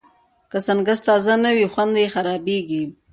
که سنکس تازه نه وي، خوند یې خرابېږي.